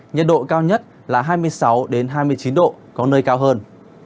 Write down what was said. nhiệt độ cao nhất là hai mươi sáu hai mươi chín độ có nơi cao hơn